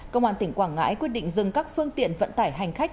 công an tỉnh quảng ngãi quyết định dừng các phương tiện vận tải hành khách